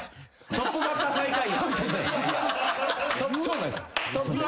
トップバッター最下位。